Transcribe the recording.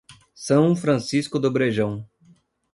São Francisco do Brejão